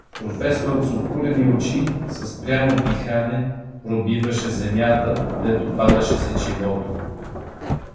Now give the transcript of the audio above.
Професорът с опулени очи, със спряно дихане пробиваше земята, дето падаше сечивото.